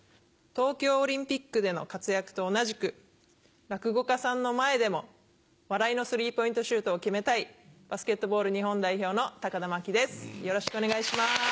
東京オリンピックでの活躍と同じく落語家さんの前でも笑いのスリーポイントシュートを決めたいバスケットボール日本代表の田真希です。